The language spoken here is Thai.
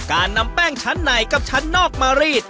การนำแป้งชั้นในกับชั้นนอกมารีด